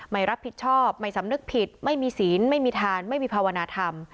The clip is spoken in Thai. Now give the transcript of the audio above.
ไม่รับผิดชอบไม่สำนึกผิดไม่มีศีลไม่มีทานไม่มีภาวนาธรรม